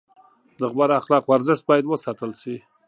د غوره اخلاقو ارزښت باید وساتل شي.